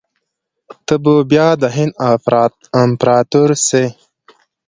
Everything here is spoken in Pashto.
ته به بیا د هند امپراطور سې.